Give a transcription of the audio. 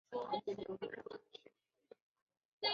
嘉靖五年担任广东惠州府知府。